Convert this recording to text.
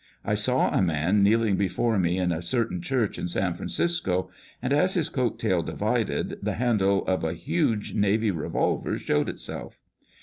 I saw a man kneel ing before me in a certain church in San Francisco, and as his coat tail divided, the handle of a huge navy revolver showed, itself.